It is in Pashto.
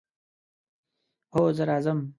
هو، زه راځم